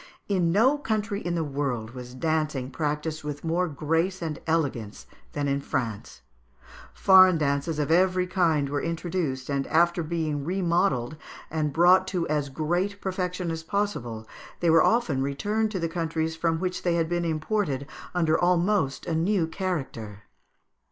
In no country in the world was dancing practised with more grace and elegance than in France. Foreign dances of every kind were introduced, and, after being remodelled and brought to as great perfection as possible, they were often returned to the countries from which they had been imported under almost a new character.